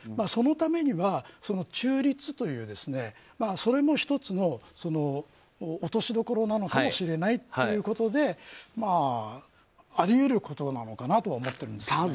そのためには中立というそれも１つの落としどころなのかもしれないということであり得ることなのかなとは思ってるんですね。